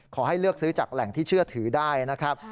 ขอให้เลือกซื้อจากแหล่งที่เชื่อถือได้นะครับ